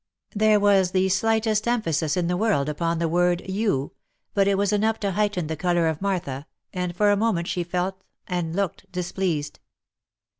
There was the slightest emphasis in the world upon the word " you" but it was enough to heighten the colour of Martha, and for a moment she both felt and looked displeased.